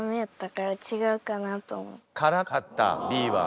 からかったＢは。